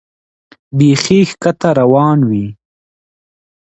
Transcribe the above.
بیخي ښکته روان وې.